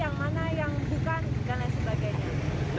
yang mana yang bukan dan lain sebagainya